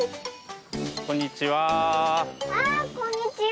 こんにちは。